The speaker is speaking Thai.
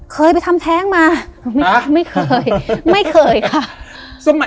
เคยไปทำแท้งมาไม่รับไม่เคยไม่เคยค่ะ